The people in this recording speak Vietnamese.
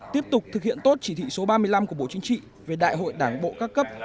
tiếp tục thực hiện tốt chỉ thị số ba mươi năm của bộ chính trị về đại hội đảng bộ các cấp